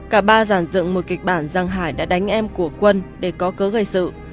cả ba giàn dựng một kịch bản rằng hải đã đánh em của quân để có cớ gây sự